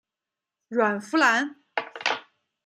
阮福澜。